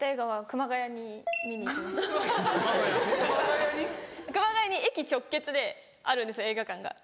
熊谷に駅直結であるんですよ映画館が。